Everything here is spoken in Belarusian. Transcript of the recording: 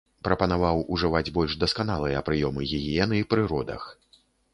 Прапанаваў ужываць больш дасканалыя прыёмы гігіены пры родах.